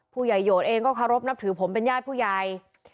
ผู้ใหญ่โหดเองก็เคารพนับถือผมเป็นญาติผู้ใหญ่